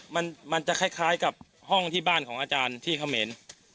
มันมันจะคล้ายกับห้องที่บ้านของอาจารย์ที่เขมร